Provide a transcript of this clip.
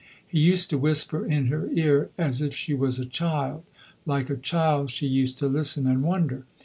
He used to whisper in her ear as if she was a child: like a child she used to listen and wonder.